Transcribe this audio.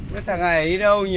cái thằng này đi đâu nhỉ